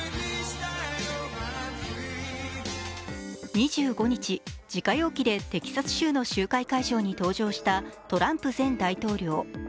２５日、自家用機でテキサス州の集会会場に登場したトランプ前大統領。